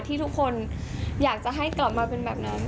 ที่ทุกคนอยากจะให้กลับมาเป็นแบบนั้น